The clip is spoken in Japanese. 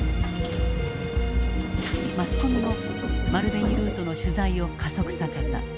マスコミも丸紅ルートの取材を加速させた。